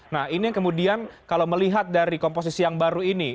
nah ini yang kemudian kalau melihat dari komposisi yang baru ini